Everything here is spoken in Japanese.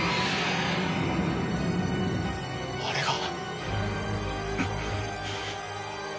あれが！